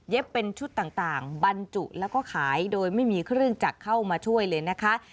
เป็นชุดต่างบรรจุแล้วก็ขายโดยไม่มีเครื่องจักรเข้ามาช่วยเลยนะคะ